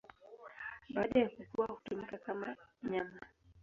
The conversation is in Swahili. Baada ya kukua hutumika kama nyama.